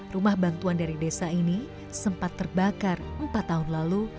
rumah bantuan dari desa ini sempat terbakar empat tahun lalu